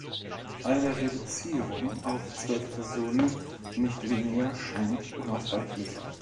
Eine Reduzierung auf zwölf Personen nicht weniger scheint unausweichlich.